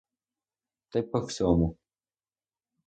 Та й по всьому.